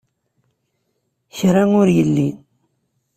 Kra ur yelli.